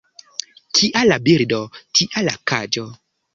Kia la birdo, tia la kaĝo.